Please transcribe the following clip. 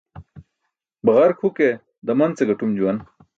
Baġark huke daman ce gatum juwan.